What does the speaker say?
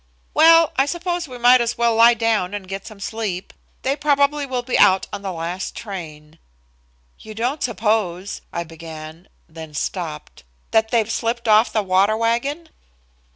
"Well, I suppose we might as well lie down and get some sleep. They probably will be out on the last train." "You don't suppose," I began, then stopped. "That they've slipped off the water wagon?"